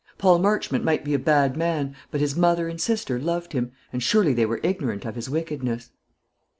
Paul Marchmont might be a bad man, but his mother and sister loved him, and surely they were ignorant of his wickedness.